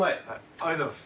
ありがとうございます。